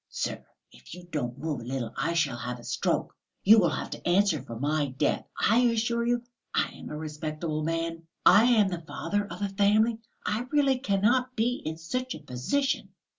"Sir, if you don't move a little I shall have a stroke; you will have to answer for my death, I assure you.... I am a respectable man, I am the father of a family. I really cannot be in such a position!..."